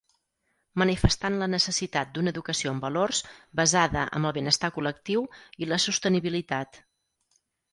Manifestant la necessitat d’una educació en valors basada amb el benestar col·lectiu i la sostenibilitat.